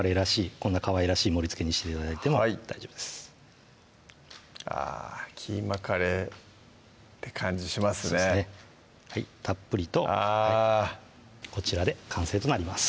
こんなかわいらしい盛りつけにして頂いても大丈夫ですあ「キーマカレー」って感じしますねたっぷりとあこちらで完成となります